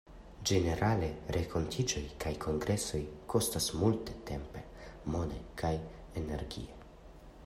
Ĝenerale, renkontiĝoj kaj kongresoj kostas multe tempe, mone, kaj energie.